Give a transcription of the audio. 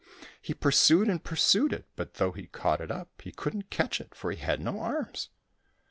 He pursued and pursued it, but though he caught it up, he couldn't catch it, for he had no arms.